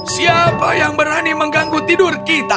siapa yang berani mengganggu tidur kita